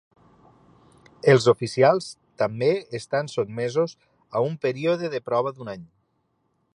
Els oficials també estan sotmesos a un període de prova d'un any.